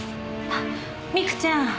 あっ美久ちゃん。